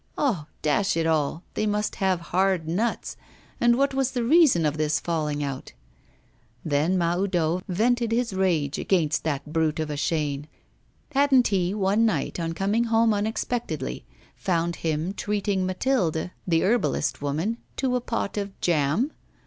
Ah! dash it all! they must have hard nuts. But what was the reason of this falling out? Then Mahoudeau vented his rage against that brute of a Chaîne! Hadn't he, one night on coming home unexpectedly, found him treating Mathilde, the herbalist woman, to a pot of jam?